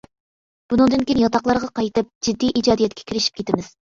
ئۇنىڭدىن كېيىن ياتاقلارغا قايتىپ، جىددىي ئىجادىيەتكە كىرىشىپ كېتىمىز.